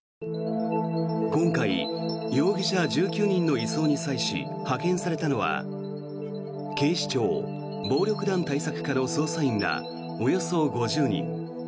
今回容疑者１９人の移送に際し派遣されたのは警視庁暴力団対策課の捜査員らおよそ５０人。